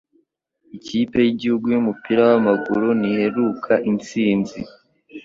Ikipe yigihugu yumupira wamaguru ntiheruka itsinzi